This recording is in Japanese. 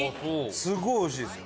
すごい美味しいですよ。